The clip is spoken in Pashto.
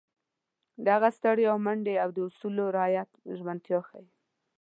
د هغه ستړیا، منډې او د اصولو رعایت ژمنتیا ښيي.